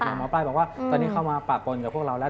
หมอปลายบอกว่าตอนนี้เข้ามาปะปนกับพวกเราแล้ว